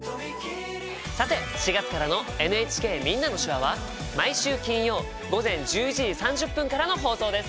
さて４月からの「ＮＨＫみんなの手話」は毎週金曜午前１１時３０分からの放送です。